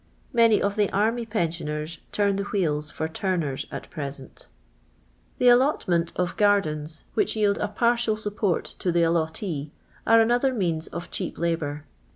Many of the army pensioners turn the wheels for tamers at present The allotment of gardens, which yield a partial support t) the allottee, are another means of cheap labour.